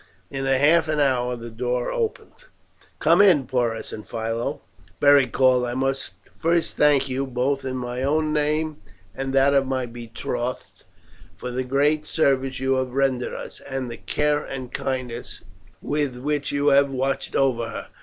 In half an hour the door opened. "Come in, Porus and Philo," Beric called. "I must first thank you, both in my own name and that of my betrothed, for the great service you have rendered us, and the care and kindness with which you have watched over her.